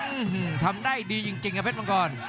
อื้อหือทำได้ดีจริงกับเพชรมังกร